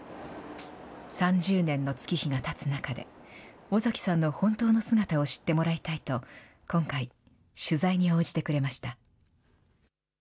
３０年の月日がたつ中で、尾崎さんの本当の姿を知ってもらいたいと、今回、取材に応じてくれました。